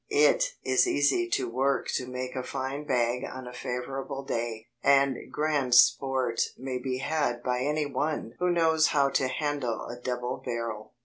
It is easy work to make a fine bag on a favourable day, and grand sport may be had by any one who knows how to handle a double barrel.